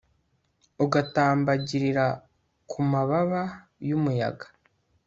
ugatambagirira ku mababa y'umuyaga